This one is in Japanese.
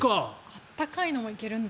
暖かいのもいけるんだ。